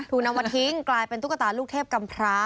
นำมาทิ้งกลายเป็นตุ๊กตาลูกเทพกำพระ